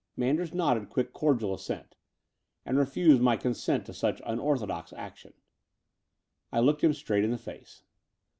— Manders nodded quick cordial assent — "and refuse my consent to such unorthodox action?" I looked him straight in the face.